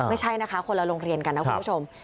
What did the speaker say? ไม่ใช่นะคะคนละโรงเรียนกันนะคุณผู้ชม